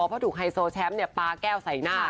เพราะถูกไฮโซแชมป์ปลาแก้วใส่หน้า